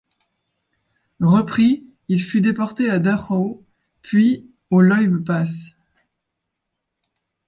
Repris, il fut déporté à Dachau, puis au Loibl Pass.